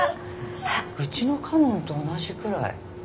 うちの佳音と同じくらい。